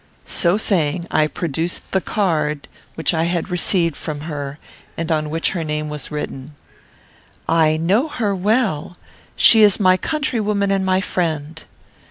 So saying, I produced the card which I had received from her, and on which her name was written. "I know her well. She is my countrywoman and my friend."